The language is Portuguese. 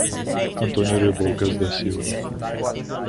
Antônio Reboucas da Silva